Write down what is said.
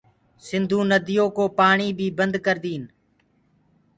سنڌو نديو ڪو پآڻي بي بند ڪردين